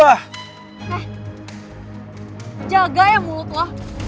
eh jaga ya mulut lo